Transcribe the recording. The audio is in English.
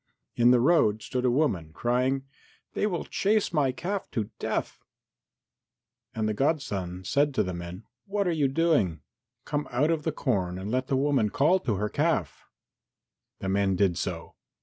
In the road stood a woman, crying, "They will chase my calf to death!" And the godson said to the men, "What are you doing? Come out of the corn and let the woman call to her calf." The men did so.